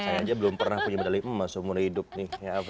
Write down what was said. saya aja belum pernah punya medali emas seumur hidup nih